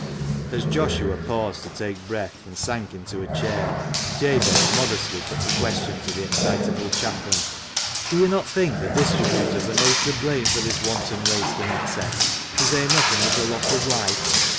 " As Joshua paused to take breath, and sank into a chair, Jabez modestly put the question to the excitable chaplain — "Do you not think the distributors are most to blame for this wanton waste and excess, to say nothing of the loss of life